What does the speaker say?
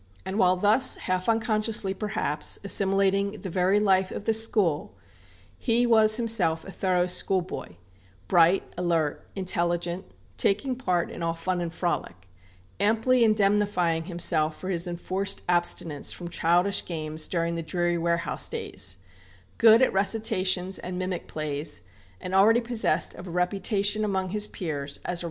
And while thus, half unconsciously perhaps, assimilating the very life of the school, he was himself a thorough schoolboy, bright, alert, intelligent; taking part in all fun and frolic; amply indemnifying himself for his enforced abstinence from childish games during the dreary warehouse days; good at recitations and mimic plays; and already possessed of a reputation among his peers as a writer of tales.